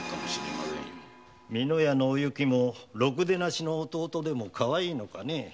美乃屋のお幸もろくでなしの弟でもかわいいのかね。